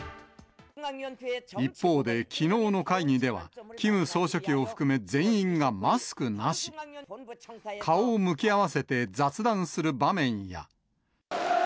一方で、きのうの会議では、キム総書記を含め、全員がマスクなし。顔を向き合わせて雑談する場面や。